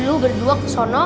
kaga ada dong